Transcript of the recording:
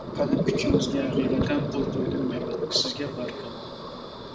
قەلەم كۈچىڭىزگە ھەقىقەتەن قول قويدۇم مايماق. سىزگە بارىكاللا.